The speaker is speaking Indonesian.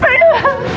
kamu baik baik saja